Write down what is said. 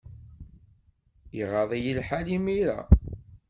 Iɣaḍ-iyi lḥal imir-a.